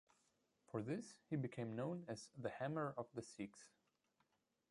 For this, he became known as the 'hammer of the Sikhs'.